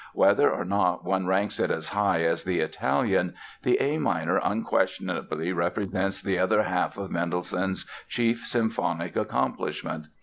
Whether or not one ranks it as high as the "Italian" the A minor unquestionably represents the other half of Mendelssohn's chief symphonic accomplishment.